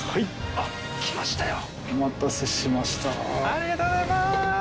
ありがとうございます。